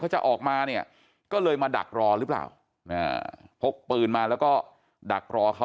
จะออกมาเนี่ยก็เลยมาดักรอหรือเปล่าพกปืนมาแล้วก็ดักรอเขา